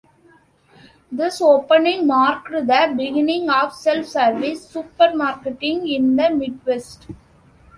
This opening marked the beginning of self-service supermarketing in the Midwest.